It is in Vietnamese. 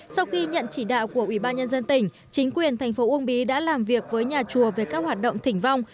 sau khi nhận chỉ đạo của ủy ban nhân dân tỉnh chính quyền tp ung bí đã làm việc với nhà chùa về các hoạt động thỉnh vong